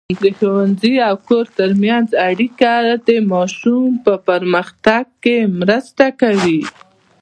د ښوونځي او کور ترمنځ اړیکه د ماشوم په پرمختګ کې مرسته کوي.